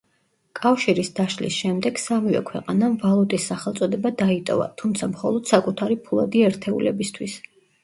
კავშირის დაშლის შემდეგ სამივე ქვეყანამ ვალუტის სახელწოდება დაიტოვა, თუმცა მხოლოდ საკუთარი ფულადი ერთეულებისთვის.